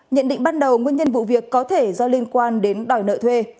nhận định ban đầu nguyên nhân vụ việc có thể do liên quan đến đòi nợ thuê